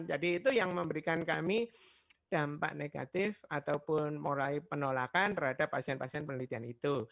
jadi itu yang memberikan kami dampak negatif ataupun moral penolakan terhadap pasien pasien penelitian itu